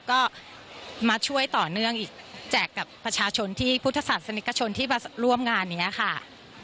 ก็มาช่วยต่อเนื่องอีกแจกกับประชาชนที่พุทธศาสนิกชนที่มาร่วมงานนี้ค่ะ